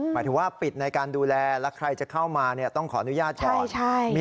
หมายถึงว่าปิดในการดูแลและใครจะเข้ามาต้องขออนุญาตก่อน